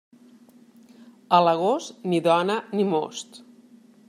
A l'agost, ni dona ni most.